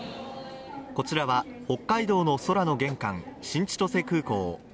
こちらは北海道の空の玄関、新千歳空港。